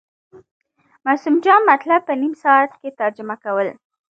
معصوم جان مطلب په نیم ساعت کې ترجمه کول.